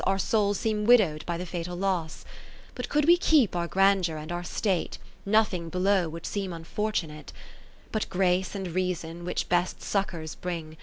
Our souls seem widow'd by the fatal loss : But could we keep our grandeur and our state. Nothing below would seem un fortunate ; But Grace and Reason, which best succours bring.